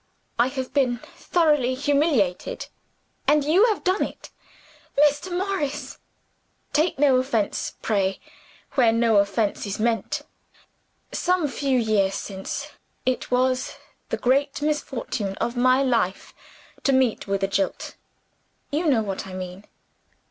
I have been thoroughly humiliated and you have done it." "Mr. Morris!" "Take no offense, pray, where no offense is meant. Some few years since it was the great misfortune of my life to meet with a Jilt. You know what I mean?"